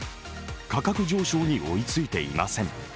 価格上昇に追いついていません。